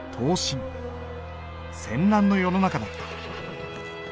戦乱の世の中だった。